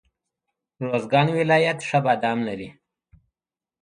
روزګان ولایت ښه بادام لري.